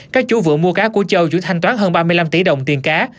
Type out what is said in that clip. các chủ vượng mua cá của châu chủ thanh toán hơn ba mươi năm tỷ đồng tiền cá